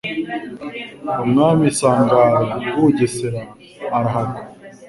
umwami Sangano w'u Bugesera arahagwa.